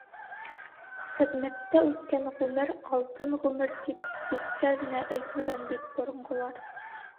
Хеҙмәттә үткән ғүмер — алтын ғүмер, тип тиккә генә әйтмәгән бит боронғолар.